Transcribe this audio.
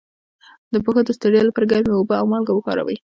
د پښو د ستړیا لپاره ګرمې اوبه او مالګه وکاروئ